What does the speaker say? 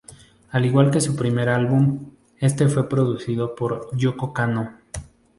Al igual que su primer álbum, este fue producido por "Yōko Kanno".